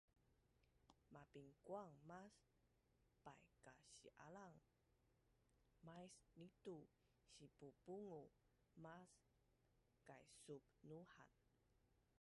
mapinkuang mas paikasi-alan mais nitu sipupungul mas kaisubnuhan